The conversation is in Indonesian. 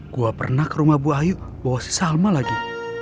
gua pernah ke rumah bu ayu bawa si salma lagi